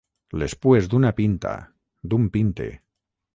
Les pues d'una pinta, d'un pinte.